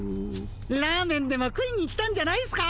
ラーメンでも食いに来たんじゃないっすか。